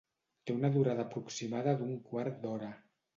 Té una durada aproximada d'un quart d'hora.